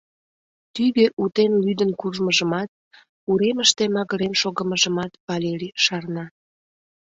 Тӱгӧ утен лӱдын куржмыжымат, уремыште магырен шогымыжымат Валерий шарна...